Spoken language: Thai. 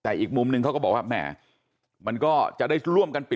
แต่อีกมุมนึงเขาก็บอกว่าแหมมันก็จะได้ร่วมกันปิด